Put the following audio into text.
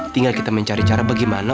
tinggal kita mencari cara bagaimana